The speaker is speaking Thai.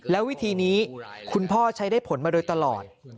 แล้ววิธีนี้คุณพ่อใช้ได้ผลมาโดยตลอด